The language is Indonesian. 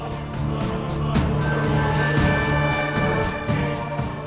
apa itu raden